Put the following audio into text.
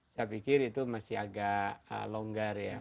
saya pikir itu masih agak longgar ya